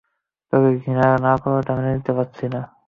তোকে ঘৃণা না করাটা মেনে নিতে পারছি না।